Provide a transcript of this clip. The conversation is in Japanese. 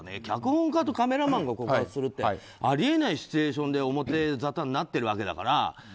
脚本家とカメラマンが告発するってあり得ないシチュエーションで表ざたになっているわけだから。